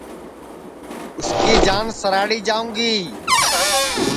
اُس کی جان سراھڑی جاوں گی